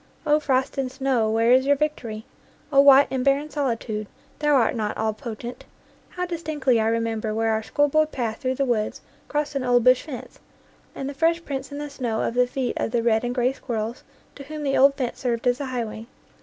O frost and snow, where is your victory? O white and barren solitude, thou art not all potent! How distinctly I remember where our schoolboy path through the woods crossed an old bush fence, and the fresh prints in the snow of the feet of the red and gray squirrels to whom the old fence served as a highway.